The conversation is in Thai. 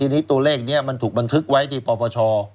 ทีนี้ตัวเลขนี้มันถูกบันทึกไว้ที่ปปช